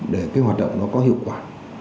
để cái hoạt động nó có hiệu quả